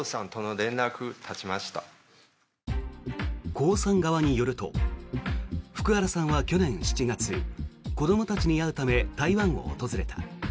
コウさん側によると福原さんは去年７月子どもたちに会うため台湾を訪れた。